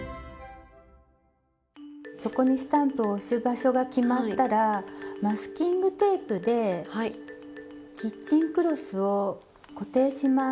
そこにスタンプを押す場所が決まったらマスキングテープでキッチンクロスを固定します。